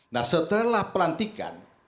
nah setelah pelantikan